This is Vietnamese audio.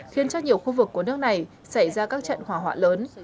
khiến cho nhiều khu vực của nước này xảy ra các trận hỏa họa lớn